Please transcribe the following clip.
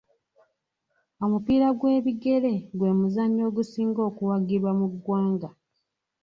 Omupiira gw'ebigere gwe muzannyo ogusinga okuwagirwa mu ggwanga.